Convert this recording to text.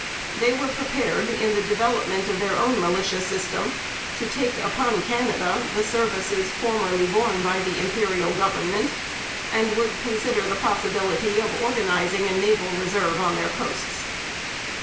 They were prepared, in the development of their own militia system, to take upon Canada the services formerly borne by the Imperial Government, and would consider the possibility of organizing a naval reserve on the coasts.